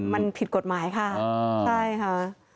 มันผิดกฎหมายค่ะใช่ค่ะ